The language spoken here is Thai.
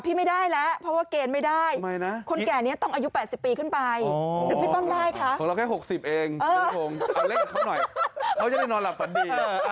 พี่ไม่ได้แล้วเพราะว่าเกณฑ์ไม่ได้